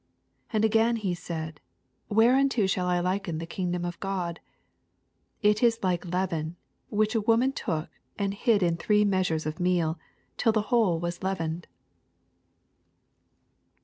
20 And agwn he said, WheTeim*« shall I liken the kingdom of God t 21 It is like leaven, which a womao took and hid in three measures of meal, till the whole was leavened.